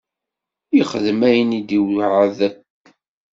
Yexdem ayen i d-iweɛɛed.